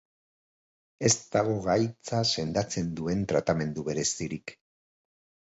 Ez dago gaitza sendatzen duen tratamendu berezirik.